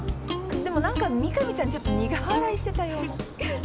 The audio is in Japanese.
でも何か三神さんちょっと苦笑いしてたような。